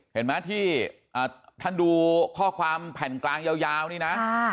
เห็นไหมที่ท่านดูข้อความแผ่นกลางยาวนี่นะ